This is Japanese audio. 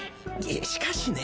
しかしねえ。